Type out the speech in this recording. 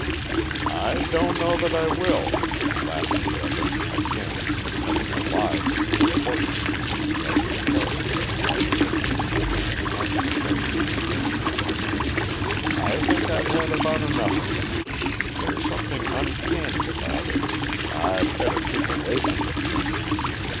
"I don't know that I will," laughed the other, again becoming alive to the importance of keeping up his character of artistic and unprofessional stranger. "I think I've had about enough of it. There's something uncanny about it. I'd better keep away from it."